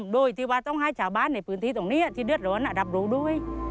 โดยที่ว่าต้องให้ชาวบ้านในพื้นที่ตรงนี้ที่เดือดร้อนรับรู้ด้วย